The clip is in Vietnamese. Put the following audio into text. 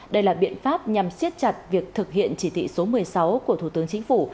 đây là biện pháp nhằm siết chặt việc thực hiện chỉ thị số một mươi sáu của thủ tướng chính phủ